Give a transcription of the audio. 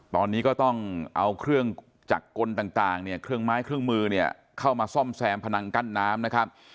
ตอนนี้ก็ต้องเอาเครื่องจักรกลต่างเนี่ยเครื่องไม้เครื่องมือเนี่ยเข้ามาซ่อมแซมพนังกั้นน้ำนะครับ